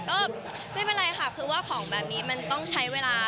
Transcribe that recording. ก็ไม่เป็นไรค่ะคือว่าของแบบนี้มันต้องใช้เวลา